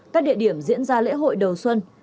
các địa điểm diễn ra lễ hội đầu xuân